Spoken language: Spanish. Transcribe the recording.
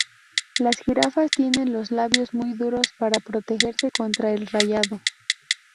Las jirafas tienen los labios muy duros para protegerse contra el rayado.